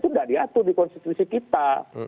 itu tidak diatur di konstitusi kita